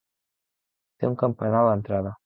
Té un campanar a l'entrada.